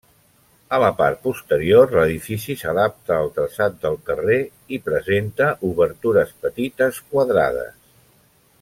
A la part posterior l'edifici s'adapta al traçat del carrer, i presenta obertures petites, quadrades.